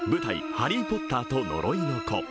「ハリー・ポッターと呪いの子」。